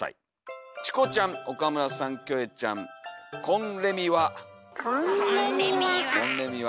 チコちゃん岡村さんキョエちゃんこんれみは」。